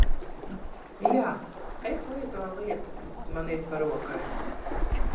Jā, es lietoju lietas kas man ir pa rokai.